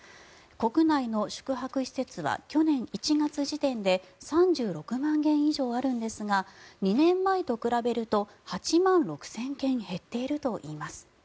国内の宿泊施設は去年１月時点で３６万軒以上あるんですが２年前と比べると８万６０００軒減っているといいます。